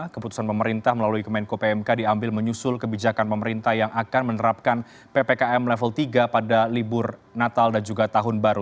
keputusan pemerintah melalui kemenko pmk diambil menyusul kebijakan pemerintah yang akan menerapkan ppkm level tiga pada libur natal dan juga tahun baru